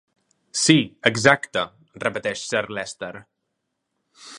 "Sí, exacte", repeteix Sir Leicester.